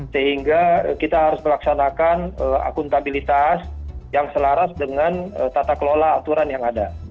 sehingga kita harus melaksanakan akuntabilitas yang selaras dengan tata kelola aturan yang ada